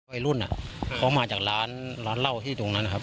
วัยรุ่นเขามาจากร้านร้านเหล้าที่ตรงนั้นนะครับ